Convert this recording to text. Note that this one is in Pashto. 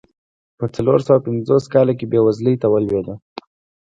په څلور سوه پنځوس کال کې بېوزلۍ ته ولوېده.